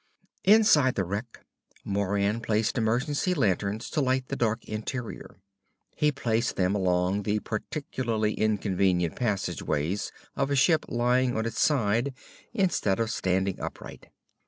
Inside the wreck, Moran placed emergency lanterns to light the dark interior. He placed them along the particularly inconvenient passageways of a ship lying on its side instead of standing upright.